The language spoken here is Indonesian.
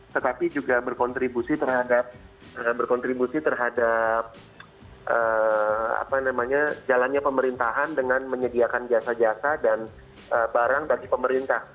tetapi juga berkontribusi terhadap jalannya pemerintahan dengan menyediakan jasa jasa dan barang bagi pemerintah